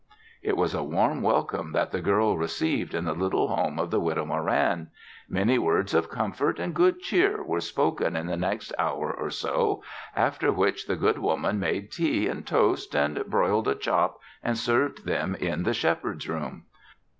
It was a warm welcome that the girl received in the little home of the Widow Moran. Many words of comfort and good cheer were spoken in the next hour or so after which the good woman made tea and toast and broiled a chop and served them in the Shepherd's room.